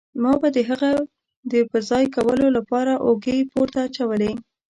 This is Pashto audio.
ما به د هغه د په ځای کولو له پاره اوږې پورته اچولې.